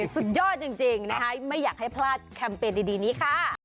สุดยอดจริงนะคะไม่อยากให้พลาดแคมเปญดีนี้ค่ะ